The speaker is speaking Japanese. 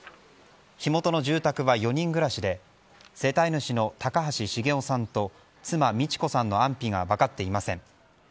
火元の住宅は４人暮らしで世帯主の高橋重雄さんと妻・美智子さんの安否が分かっていません。